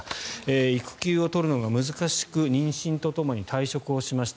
育休を取るのが難しく妊娠とともに退職しました。